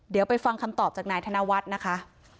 เดี๋ยวไปฟังคำตอบจากนายธนวัฒน์นะคะ